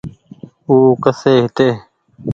او ڪسي هيتي ۔